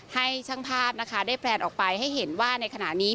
ให้ช่างภาพนะคะได้แพลนออกไปให้เห็นว่าในขณะนี้